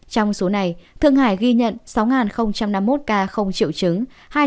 trong số này thượng hải ghi nhận sáu năm mươi một ca không triệu chứng